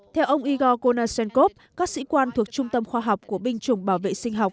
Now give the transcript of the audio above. theo ông igor konashenkov các sĩ quan thuộc trung tâm khoa học của binh chủng bảo vệ sinh học